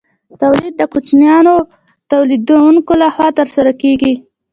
تولید د کوچنیو تولیدونکو لخوا ترسره کیده.